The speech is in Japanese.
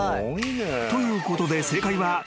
ということで正解は］